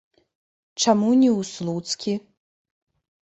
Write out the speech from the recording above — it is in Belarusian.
Чаму не ў слуцкі?